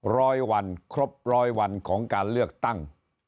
ร้อยวันครบร้อยวันของการเลือกตั้ง